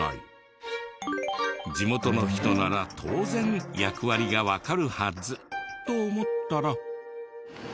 地元の人なら当然役割がわかるはずと思ったら。